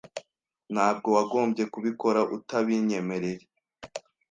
Ntabwo wagombye kubikora utabinyemereye.